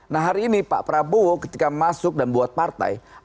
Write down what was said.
nah hari ini pak prabowo ketika masuk dan buat partai